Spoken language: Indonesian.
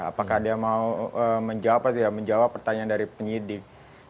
apakah dia mau menjawab atau tidak menjawab pertanyaan dari penyidik